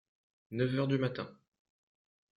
Neuf heures du matin.